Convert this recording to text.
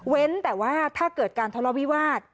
แต่ว่าถ้าเกิดการทะเลาวิวาส